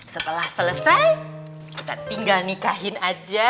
setelah selesai kita tinggal nikahin aja